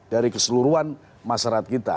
dari keseluruhan masyarakat kita